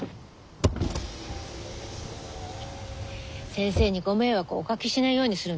先生にご迷惑をおかけしないようにするのよ。